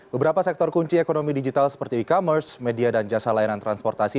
beberapa sektor kunci ekonomi digital seperti e commerce media dan jasa layanan transportasi